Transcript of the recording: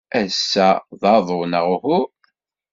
Ass-a d aḍu, neɣ uhu?